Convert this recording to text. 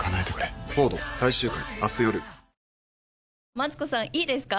マツコさんいいですか？